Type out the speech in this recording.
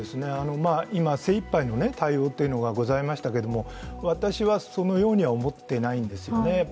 今、精いっぱいの対応というのがございましたけども私はそのようには思っていないんですよね。